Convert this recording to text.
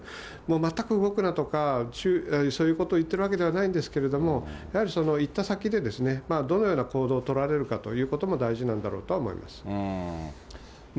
全く動くなとか、そういうことを言ってるわけではないんですけれども、やはり行った先でどのような行動を取られるかということも大事なんだろうとは思います。